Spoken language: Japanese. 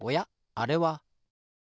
あれは。